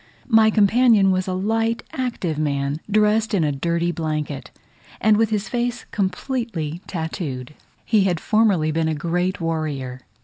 My companion was a light active man, dressed in a dirty blanket, and with his face completely tattooed. He had formerly been a great warrior.